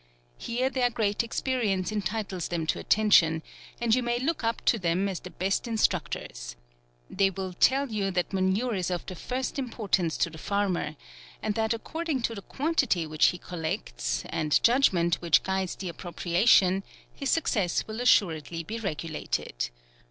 Here their great experience entitles them to attention, and you may look up to them as the best instruct ors. They will tell you that manure is of the first importance to the farmer ; and that according to the quantity which he collects, FEBRUARY. 23 and judgment which guide? the appropria tion, his success will assuredly be regulated.